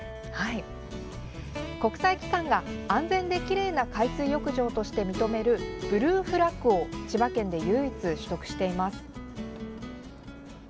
国際機関が安全できれいな海水浴場として認めるブルーフラッグを千葉県で唯一、取得しています。